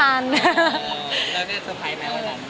แล้วนี่เซอร์ไพรส์ไหมวันนั้น